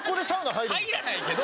入らないけど！